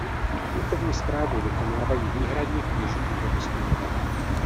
Duchovní správu vykonávají výhradně kněží nebo biskupové.